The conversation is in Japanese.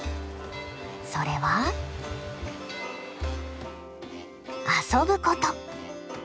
それは遊ぶこと。